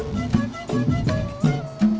firma orang gendut